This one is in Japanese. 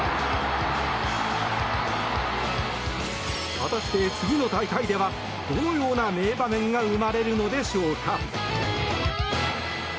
果たして次の大会ではどのような名場面が生まれるのでしょうか。